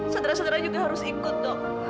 sedera sedera juga harus ikut dok